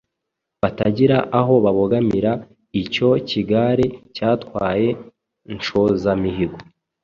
batagira aho babogamira. Icyo kigare cyatwaye Nshozamihigo